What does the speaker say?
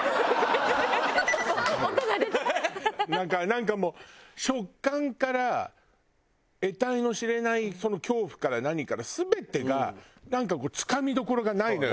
なんかもう食感から得体の知れないその恐怖から何から全てがなんかつかみどころがないのよ